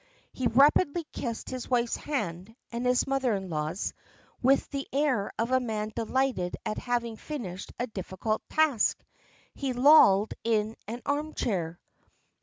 He rapidly kissed his wife's hand and his mother in law's, and with the air of a man delighted at having finished a difficult task, he lolled in an arm chair.